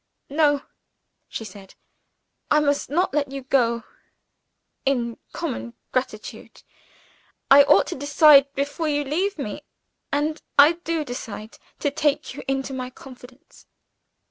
"No," she said; "I must not let you go. In common gratitude I ought to decide before you leave me, and I do decide to take you into my confidence."